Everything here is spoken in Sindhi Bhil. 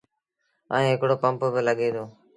ائيٚݩ هڪڙو پمپ با لڳي دو۔